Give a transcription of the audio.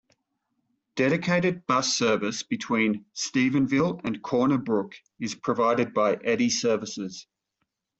Dedicated bus service between Stephenville and Corner Brook is provided by Eddy Services.